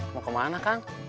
mau kemana kang